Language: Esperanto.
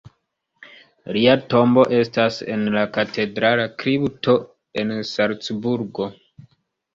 Lia tombo estas en la katedrala kripto en Salcburgo.